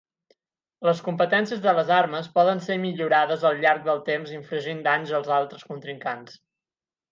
Les competències de les armes poden ser millorades al llarg del temps infligint danys als altres contrincants.